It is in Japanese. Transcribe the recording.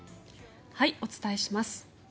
お伝えします。